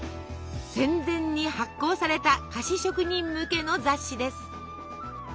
戦前に発行された菓子職人向けの雑誌です。